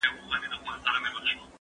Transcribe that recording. هغه څوک چي ليکنه کوي ښه زده کوي!.